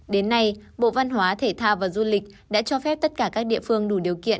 đến nay bộ văn hóa thể thao và du lịch đã cho phép tất cả các địa phương đủ điều kiện